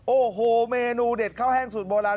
โอ้โหเมนูเด็ดข้าวแห้งสูตรโบราณ